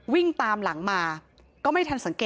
วิ่งตามหลังมา